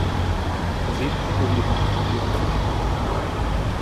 O disco publicase exclusivamente en galego.